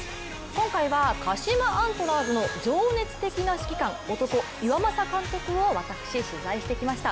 今回は鹿島アントラーズの情熱的な指揮官、漢・岩政監督を私、取材してきました。